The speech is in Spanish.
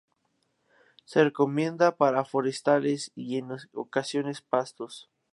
Se recomienda para forestales y en ocasiones pastos.